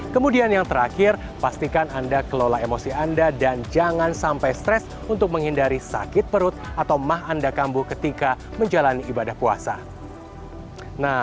kemudian yang terakhir pastikan anda kelola emosi anda dan jangan sedikit menggantikan keadaan anda